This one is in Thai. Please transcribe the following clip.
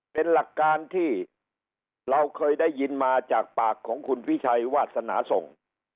เป็นหลักการที่เราเคยได้ยินมาจากปากของคุณพิชัยวาสนาส่ง